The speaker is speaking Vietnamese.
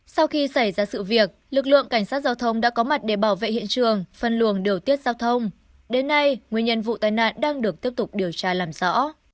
sau khi xảy ra sự việc lực lượng cảnh sát giao thông đã có mặt để bảo vệ hiện trường phân luồng điều tiết giao thông đến nay nguyên nhân vụ tai nạn đang được tiếp tục điều tra làm rõ